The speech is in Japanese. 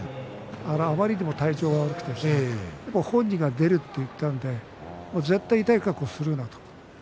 あまりにも体調が悪くて本人が出ると言ったんで絶対に痛い格好をするなと。